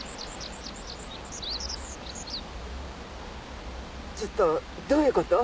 ちょっとどういうこと？